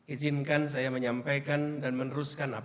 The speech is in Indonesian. izinkan saya menyampaikan dan meneruskan apa